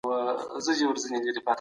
چېري د کډوالو عالي کمېشنري فعالیت کوي؟